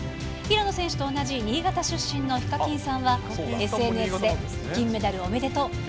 平野選手と同じ新潟出身のヒカキンさんは、ＳＮＳで金メダルおめでとう。